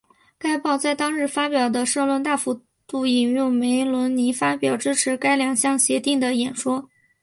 该报在当日发表的社论大幅度引用梅隆尼发表支持该两项协定的演说。